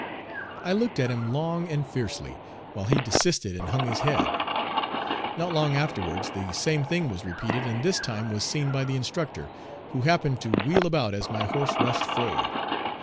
I looked at him long and fiercely, while he desisted and hung his head. Not long afterwards the same thing was repeated, and this time was seen by the instructor, who happened to wheel about as my horse rushed forward.